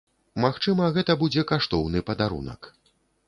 Магчыма, гэта будзе каштоўны падарунак.